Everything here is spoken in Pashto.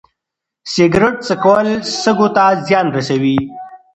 سګرټ څکول سږو ته زیان رسوي.